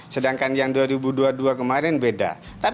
sedangkan yang dua ribu dua puluh dua kemarin beda